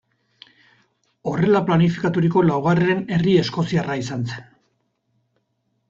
Horrela planifikaturiko laugarren herri eskoziarra izan zen.